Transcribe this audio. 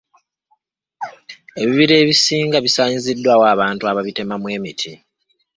Ebibira ebisinga bisaanyiziddwawo abantu ababitemamu emiti.